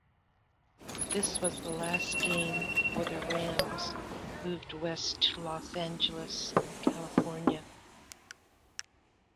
This was the last game before the Rams moved west to Los Angeles, California.